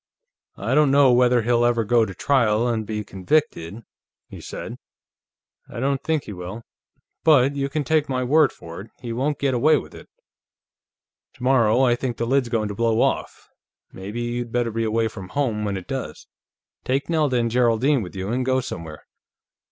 "I don't know whether he'll ever go to trial and be convicted," he said. "I don't think he will. But you can take my word for it; he won't get away with it. Tomorrow, I think the lid's going to blow off. Maybe you'd better be away from home when it does. Take Nelda and Geraldine with you, and go somewhere.